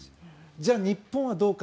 じゃあ、日本はどうか。